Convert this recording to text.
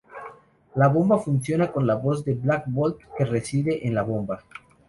La bomba funciona con la voz de Black Bolt, que reside en la bomba.